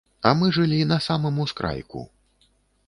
А мы жылі на самым ускрайку.